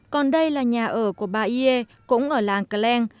còn đây là nhà ở của bà yê cũng ở làng cà leng